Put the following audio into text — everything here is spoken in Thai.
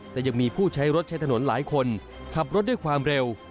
แต่ยังมีผู้ใช้รถใช้ถนนหลายคนขับรถด้วยความเร็ว